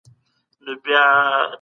تربیت او اخلاق ډېر مهم دي.